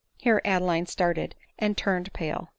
(Here Adeline started and turned pale.)